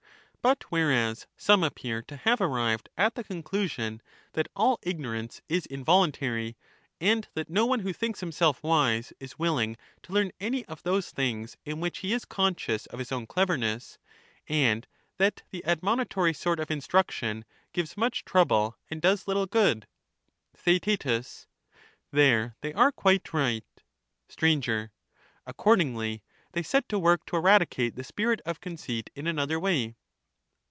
But whereas some appear to have arrived at the con clusion that all ignorance is involuntary, and that no one who thinks himself wise is willing to learn any of those things in which he is conscious of his own cleverness, and that the admonitory sort of instruction gives much trouble and does little good^^^ — Theaet. There they are quite right. Str. Accordingly, they set to work to eradicate the spirit of conceit in another way.